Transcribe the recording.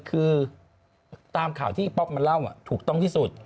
คือตามข่าวที่ป๊อปมันเล่าถูกต้องที่สุด